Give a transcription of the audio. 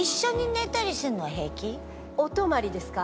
お泊まりですか？